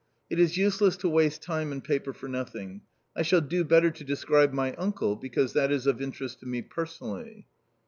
It is useless to waste time and paper for nothing. I shall do better to describe my uncle, because that is of interest to me personally